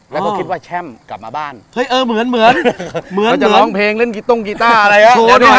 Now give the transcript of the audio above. แล้วก็คิดว่าแช่มกลับมาบ้านเฮ้ยเออเหมือนเหมือนเหมือนเหมือนเทศกาลเทศกาลเทศกาล